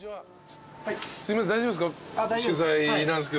すいません大丈夫ですか？